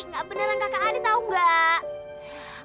gak beneran kakak adi tau gak